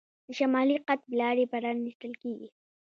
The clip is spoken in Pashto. د شمالي قطب لارې پرانیستل کیږي.